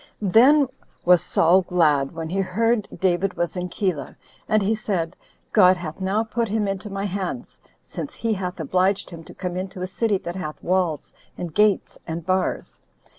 Then was Saul glad when he heard David was in Keilah; and he said, "God hath now put him into my hands, since he hath obliged him to come into a city that hath walls, and gates, and bars."